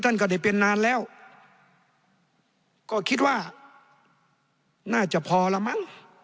ก็ได้เป็นนานแล้วก็คิดว่าน่าจะพอแล้วมั้ง